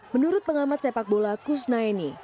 menurut pengamat sepak bola kusnaini